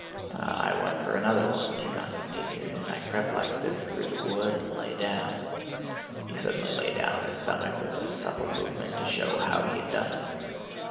"I went for another one," Tíkhon continued, "and I crept like this through the wood and lay down." (He suddenly lay down on his stomach with a supple movement to show how he had done it.)